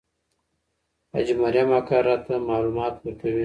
حاجي مریم اکا راته معلومات ورکوي.